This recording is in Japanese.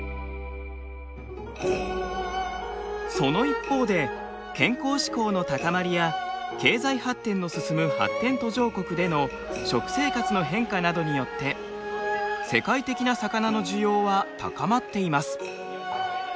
その一方で健康志向の高まりや経済発展の進む発展途上国での食生活の変化などによって世界的な魚の需要は高まっています。